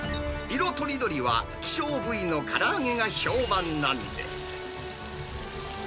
彩鶏々は希少部位のから揚げが評判なんです。